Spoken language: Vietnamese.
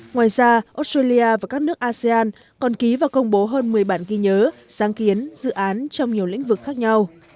ngoài ra australia và các nước asean còn ký và công bố hơn một mươi bản ghi nhớ sáng kiến dự án trong nhiều lĩnh vực khác nhau